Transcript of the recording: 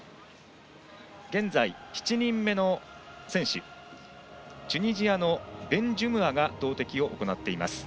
現在、７人目の選手チュニジアのベンジュムアが投てきを行っています。